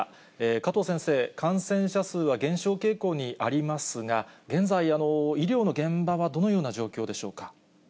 加藤先生、感染者数は減少傾向にありますが、現在、医療の現場はどのような状況でしょうか。